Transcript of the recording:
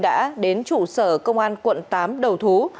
đã đến trụ sở công an quận tám đầu thú